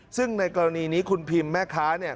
ซึ่งในกรณีนี้คุณพิมแม่ค้าเนี่ย